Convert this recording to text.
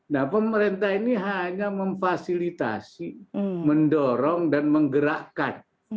nah pemerintah ini hanya memfasilitasi mendorong dan menggerakkan